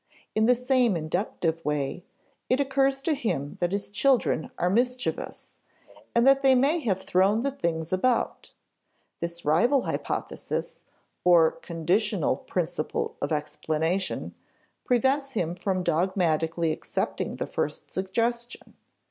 In the same inductive way, it occurs to him that his children are mischievous, and that they may have thrown the things about. This rival hypothesis (or conditional principle of explanation) prevents him from dogmatically accepting the first suggestion.